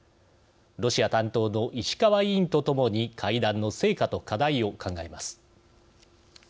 ロシア担当の石川委員とともに会談の成果と課題を考えます。